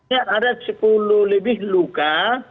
ya ada sepuluh lebih luka